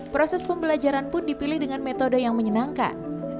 proses pembelajaran pun dipilih dengan metode yang menyenangkan